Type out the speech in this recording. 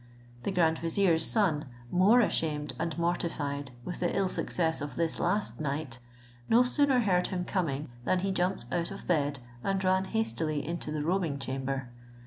The grand vizier's son, more ashamed and mortified with the ill success of this last night, no sooner heard him coming, than he jumped out of bed, and ran hastily into the robing chamber.